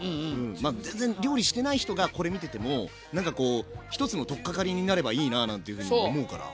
まあ全然料理してない人がこれ見ててもなんかこう一つの取っかかりになればいいななんていうふうに思うから。